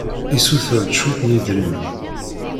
Issuter-d cwiṭ n yidrimen.